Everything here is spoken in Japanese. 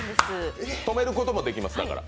止めることもできます、だから。